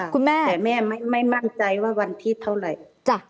คุณแม่แม่ไม่มั่นใจว่าวันที่เท่าไหร่